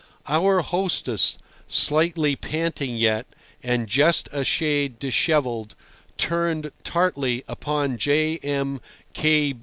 Our hostess, slightly panting yet, and just a shade dishevelled, turned tartly upon J. M.